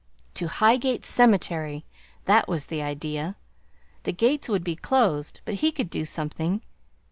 To Highgate Cemetery! That was the idea. The gates would be closed, but he could do something.